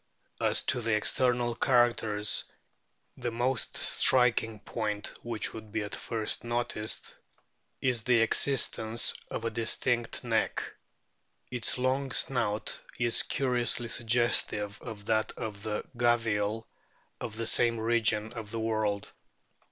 As to external characters, the most striking point which would be at first noticed is the existence of a distinct neck. Its long snout is curiously suggestive of that of the Gavial of the same region of the world.